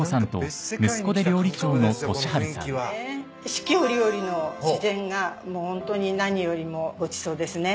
四季折々の自然がホントに何よりもごちそうですね。